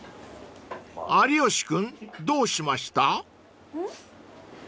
［有吉君どうしました？］